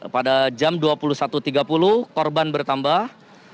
pada jam dua puluh satu tiga puluh korban bertambah